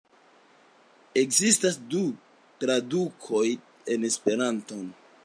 Ekzistas du tradukoj en Esperanton.